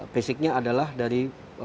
basicnya adalah dari